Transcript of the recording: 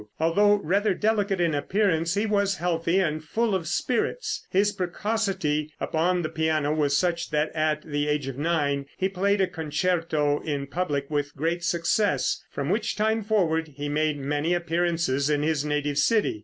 Although rather delicate in appearance, he was healthy and full of spirits. His precocity upon the piano was such that at the age of nine he played a concerto in public with great success, from which time forward he made many appearances in his native city.